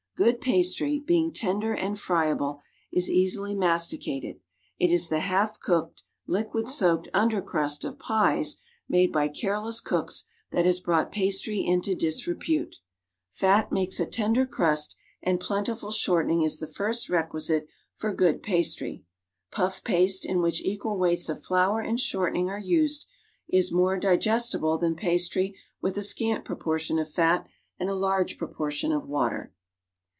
Good pastry, being tender and friable, is easily masticated; it is the half cooked, liquid soaked under crust of pies made by careless cooks that has brought pastry into disrepute. Fat makes a tender crust, and plentiful shortening is the first req uisite for good pastry. Puff paste in which equal weights of flour and shortening are used is more digestible than pastry with a scant proportion of fat and a large proportion of water.